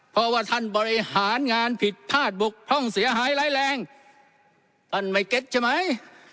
เพราะว่าท่านบริหารงานผิดพลาดบกพร่องเสียหายร้ายแรงท่านไม่เก็ตใช่ไหม